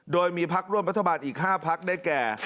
โดยมีพักร่วมรัฐบาลอีก๕พักได้แก่